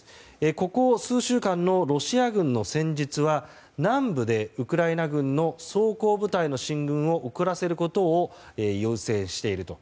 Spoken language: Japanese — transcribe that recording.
ここ数週間のロシア軍の戦術は南部でウクライナ軍の装甲部隊の進軍を遅らせることを優先していると。